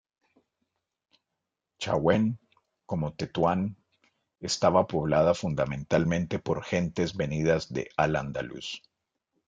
Chauen, como Tetuán, estaba poblada fundamentalmente por gentes venidas de al-Ándalus.